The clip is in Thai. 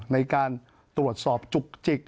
ในการตรวจสอบจุกจิก